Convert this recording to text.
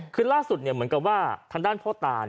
คือล่าสุดเหมือนกับว่าทางด้านพ่อตา